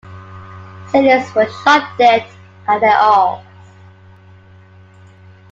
Sailors were shot dead at their oars.